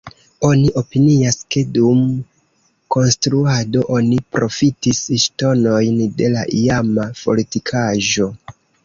Oni opinias, ke dum konstruado oni profitis ŝtonojn de la iama fortikaĵo.